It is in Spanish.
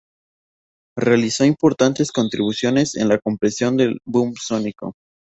Realizó importantes contribuciones en la comprensión del 'Boom sónico'.